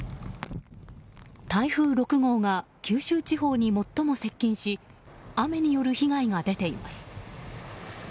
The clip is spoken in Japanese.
台風６号が九州地方に最も接近し雨による被害が出ています。